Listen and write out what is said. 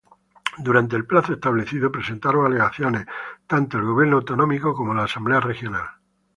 Durante el plazo establecido presentaron alegaciones tanto el Gobierno autonómico como la Asamblea Regional.